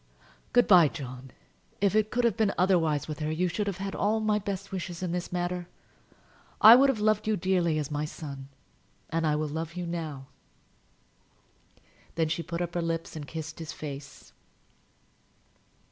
"Good by, John. If it could have been otherwise with her, you should have had all my best wishes in the matter. I would have loved you dearly as my son; and I will love you now." Then she put up her lips and kissed his face.